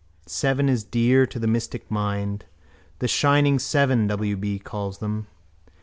_ Seven is dear to the mystic mind. The shining seven W.B. calls them.